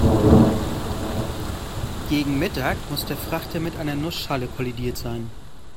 Gegen Mittag muss der Frachter mit einer Nussschale kollidiert sein.